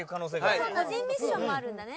個人ミッションもあるんだね。